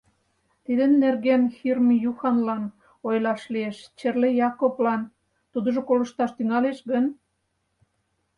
Тидын нерген Хирм Юханлан ойлаш лиеш, Черле-Якоблан — тудыжо колышташ тӱҥалеш гын?